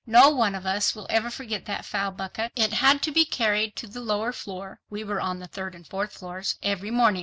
No one of us will ever forget that foul bucket. It had to be carried to the lower floor—we were on the third and fourth floors—every morning.